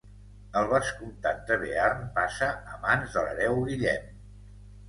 El vescomtat de Bearn passa a mans de l'hereu Guillem.